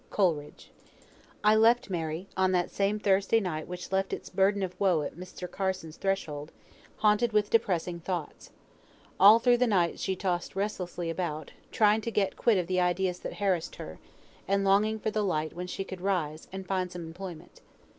COLERIDGE. I left Mary, on that same Thursday night which left its burden of woe at Mr. Carson's threshold, haunted with depressing thoughts. All through the night she tossed restlessly about, trying to get quit of the ideas that harassed her, and longing for the light when she could rise, and find some employment.